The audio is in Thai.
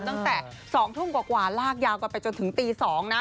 ตั้งแต่๒ทุ่มกว่าลากยาวกันไปจนถึงตี๒นะ